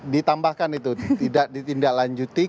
ditambahkan itu tidak ditindaklanjuti